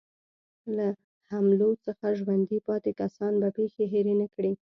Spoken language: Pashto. له حملو څخه ژوندي پاتې کسان به پېښې هېرې نه کړي.